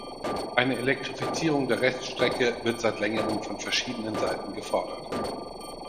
Eine Elektrifizierung der Reststrecke wird seit längerem von verschiedenen Seiten gefordert.